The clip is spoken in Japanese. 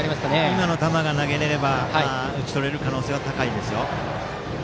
今の球が投げれれば打ち取れる可能性は高いですよ。